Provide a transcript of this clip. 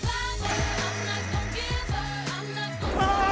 ああ！